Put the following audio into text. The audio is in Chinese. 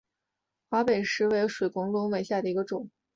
华北石韦为水龙骨科石韦属下的一个种。